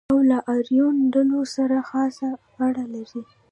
او له آریون ډلو سره خاصه اړه لري.